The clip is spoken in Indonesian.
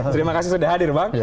terima kasih sudah hadir bang